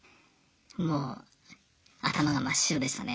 もう頭が真っ白でしたね。